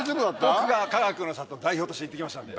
僕がかがくの里代表として行ってきましたんで。